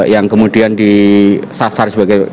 yang kemudian disasar sebagai